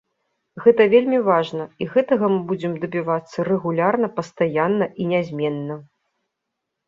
Гэта вельмі важна і гэтага мы будзем дабівацца рэгулярна пастаянна і нязменна.